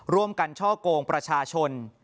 ร่วมกันช่อกงประชาชน